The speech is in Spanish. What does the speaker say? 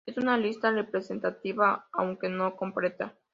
Es una lista representativa aunque no completa.